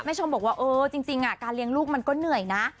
ชมบอกว่าเออจริงการเลี้ยงลูกมันก็เหนื่อยนะ